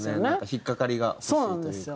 引っかかりが欲しいというか。